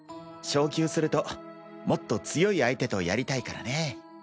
昇級するともっと強い相手とやりたいからね。